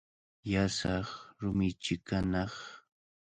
Llasaq rumichi kanaq.